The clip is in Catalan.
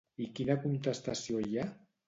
I quina contestació hi ha?